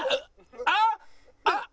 あっ！